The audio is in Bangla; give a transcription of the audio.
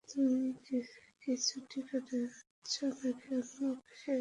তুমি কি ছুটি কাটাচ্ছ নাকি কোনও কেসের তদন্ত করছ?